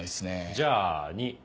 じゃあ２。